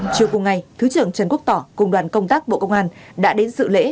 chiều cuối ngày thứ trưởng trần quốc tỏ cùng đoàn công tác bộ công an đã đến sự lễ